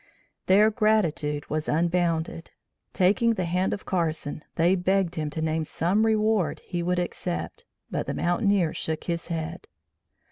Their gratitude was unbounded. Taking the hand of Carson they begged him to name some reward he would accept, but the mountaineer shook his head.